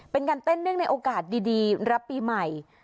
เป็นการเต้นเนื่องในโอกาสดีรับปีใหม่